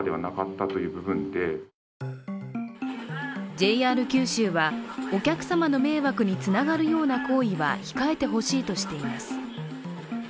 ＪＲ九州は、お客様の迷惑につながるような行為は控えてほしいとしています。